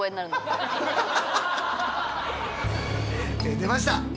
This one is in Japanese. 出ました！